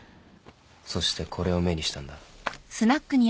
そしてこれを目にしたんだ。